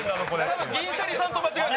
多分銀シャリさんと間違えて。